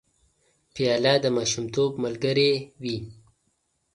پیاله د ماشومتوب ملګرې وي.